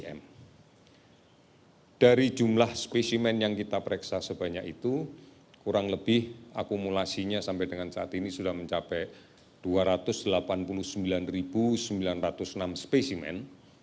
dari jumlah spesimen yang kita pereksa sebanyak itu kurang lebih akumulasinya sampai dengan saat ini sudah mencapai dua ratus delapan puluh sembilan sembilan ratus enam spesimen